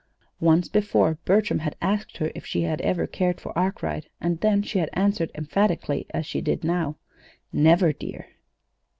Once before Bertram had asked her if she had ever cared for Arkwright, and then she had answered emphatically, as she did now: "Never, dear."